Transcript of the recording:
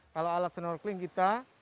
kalau alat snorkeling kita